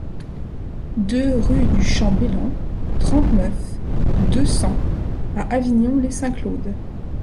deux rue du Champ Belland, trente-neuf, deux cents à Avignon-lès-Saint-Claude